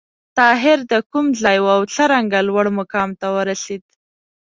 طاهر د کوم ځای و او څرنګه لوړ مقام ته ورسېد؟